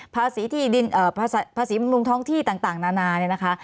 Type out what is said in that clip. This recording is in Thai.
ภาษีบำรุงท้องที่ต่างนานา